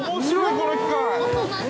この機械。